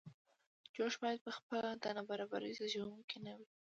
جوړښت باید په خپله د نابرابرۍ زیږوونکی نه وي.